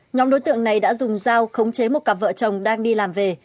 nhóm đối tượng này đã dùng dao khống chế một cặp vợ chồng đang đi làm về